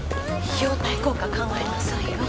費用対効果考えなさいよ